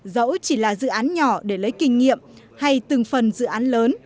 dẫu chỉ là dự án nhỏ để lấy kinh nghiệm hay từng phần dự án lớn